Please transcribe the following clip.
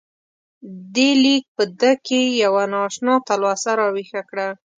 دې لیک په ده کې یوه نا اشنا تلوسه راویښه کړه.